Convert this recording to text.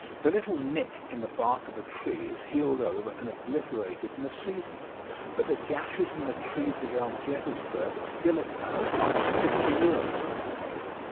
The little nick in the bark of a tree is healed over and obliterated in a season, but the gashes in the trees around Gettysburg are still apparent after fifty years.